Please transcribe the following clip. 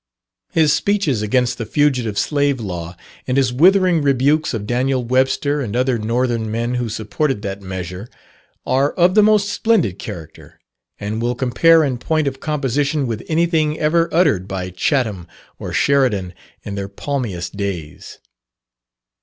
His speeches against the Fugitive Slave Law, and his withering rebukes of Daniel Webster and other northern men who supported that measure, are of the most splendid character, and will compare in point of composition with anything ever uttered by Chatham or Sheridan in their palmiest days.